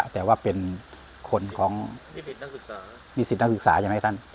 แต่ว่าเป็นขนของมีศิลป์นักศึกษาธรรมั้ยท่าน